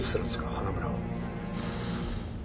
花村を。